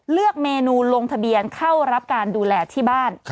เลือกเมนูลงทะเบียนเข้ารับการดูแลที่บ้าน